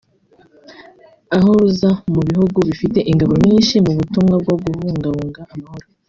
aho ruza mu bihugu bifite ingabo nyinshi mu butumwa bwo kubungabunga amahoro